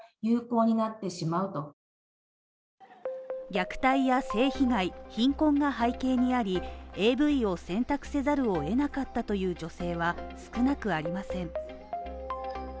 虐待や性被害、貧困が背景にあり、ＡＶを選択せざるを得なかったという女性は少なくありません。